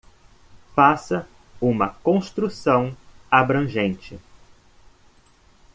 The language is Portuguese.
Faça uma construção abrangente